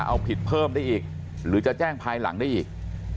เอาผิดเพิ่มได้อีกหรือจะแจ้งภายหลังได้อีก